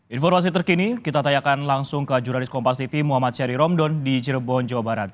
informasi terkini kita tanyakan langsung ke jurnalis kompas tv muhammad syari romdon di cirebon jawa barat